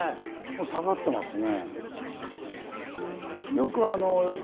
下がってますね。